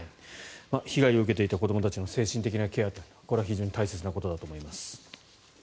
被害を受けていた子どもたちの精神的なケアもこれは非常に大切なことだと思います。